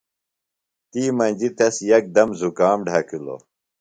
تی مجیۡ تس یکدم زُکام ڈھکِلوۡ۔